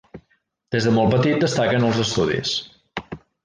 Des de molt petit destaca en els estudis.